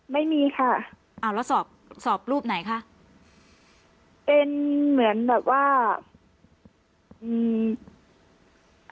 ไม่มีค่ะอ่าแล้วสอบสอบรูปไหนคะเป็นเหมือนแบบว่าอืม